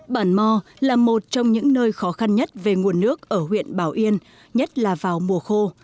bản mò là một trong những nơi khó khăn nhất về nguồn nước ở huyện bảo yên nhất là vào mùa khô